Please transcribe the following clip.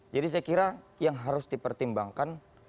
jadi saya kira yang harus dipertimbangkan